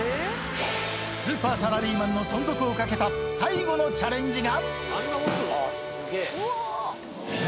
スーパーサラリーマンの存続をかけた最後のチャレンジが。